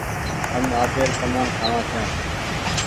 هم آپير ڪمآن کآوآن ڇآن